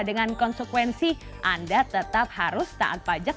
dengan konsekuensi anda tetap harus taat pajak